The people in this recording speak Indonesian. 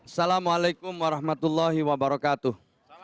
assalamualaikum warahmatullahi wabarakatuh